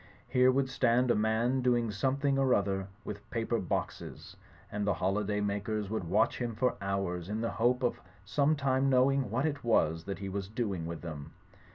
Here would stand a man doing some thing or other with paper boxes; and the holiday makers would watch him for hours in the hope of some time knowing what it was that he was doing with them.